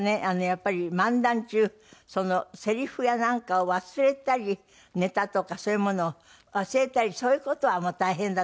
やっぱり漫談中せりふやなんかを忘れたりネタとかそういうものを忘れたりそういう事はもう大変だと思ってらっしゃるんですってね？